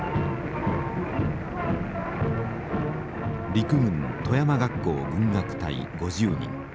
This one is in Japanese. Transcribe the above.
陸軍戸山学校軍楽隊５０人。